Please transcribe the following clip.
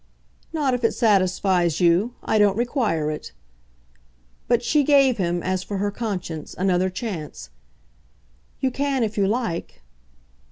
"Not if it satisfies you. I don't require it." But she gave him, as for her conscience, another chance. "You can if you like."